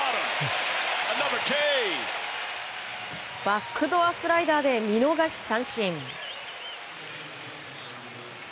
バックドアスライダーで見逃し三振。